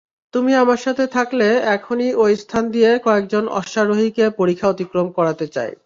তুমি আমার সাথে থাকলে এখনই ঐ স্থান দিয়ে কয়েকজন অশ্বারোহীকে পরিখা অতিক্রম করাতে চাই।